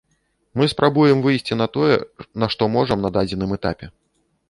Мы спрабуем выйсці на тое, на што можам на дадзеным этапе.